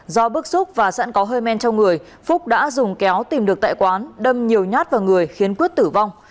do bức xúc và sẵn có hơi men trong người phúc đã dùng kéo tìm được tại quán đâm nhiều nhát vào người khiến quyết tử vong